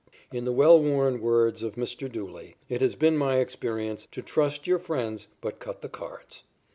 In the well worn words of Mr. Dooley, it has been my experience "to trust your friends, but cut the cards."